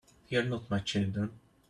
They're not my children.